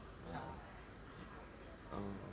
ท่านขอคำถามอบถ่ายนะ